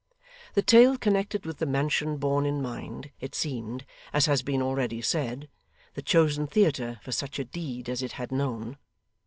The tale connected with the mansion borne in mind, it seemed, as has been already said, the chosen theatre for such a deed as it had known.